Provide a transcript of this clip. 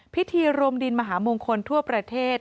พิธีรวมดินมหามงคลทั่วประเทศ